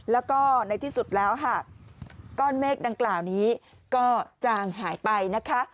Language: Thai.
แล้วก็ในที่สุดแล้วค่ะก้อนเมฆดังกล่าวนี้ก็จางหายไปนะคะ